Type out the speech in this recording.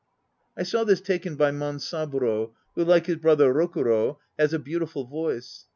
"I saw this taken by Mansaburo, who, like his brother Rokuro, has a beautiful voice.